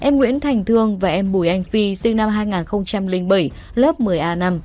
em nguyễn thành thương và em bùi anh phi sinh năm hai nghìn bảy lớp một mươi a năm